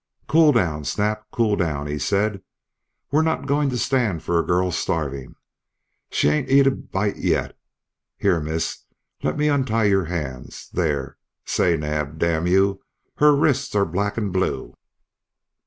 "Cool down, Snap, cool down," he said. "We're not goin' to stand for a girl starvin'. She ain't eat a bite yet. Here, Miss, let me untie your hands there. ... Say! Naab, d n you, her wrists are black an' blue!"